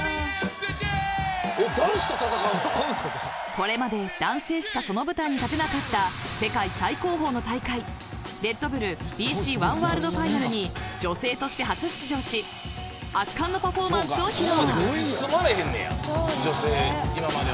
これまで男性しかその舞台に立てなかった、世界最高峰の大会ＲｅｄＢｕｌｌＢＣＯｎｅＷｏｒｌｄＦｉｎａｌに女性として初出場し圧巻のパフォーマンスを披露。